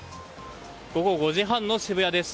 午後５時半の渋谷です。